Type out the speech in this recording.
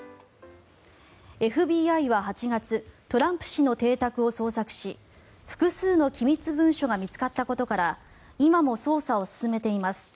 ＦＢＩは８月トランプ氏の邸宅を捜索し複数の機密文書が見つかったことから今も捜査を進めています。